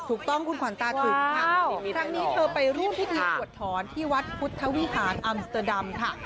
ถูกต้องคุณขวัญตาถึงค่ะครั้งนี้เธอไปร่วมพิธีสวดถอนที่วัดพุทธวิหารอัมสเตอร์ดัมค่ะ